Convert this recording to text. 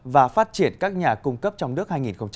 và phát triển các nhà cung cấp trong nước hai nghìn hai mươi